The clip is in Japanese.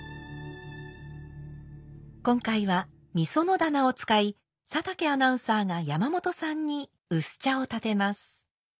今回は「御園棚」を使い佐竹アナウンサーが山本さんに薄茶を点てます。